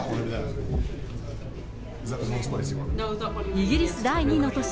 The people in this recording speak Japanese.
イギリス第２の都市